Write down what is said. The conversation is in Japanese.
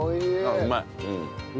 うまい。